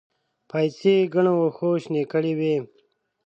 پايڅې يې ګڼو وښو شنې کړې وې.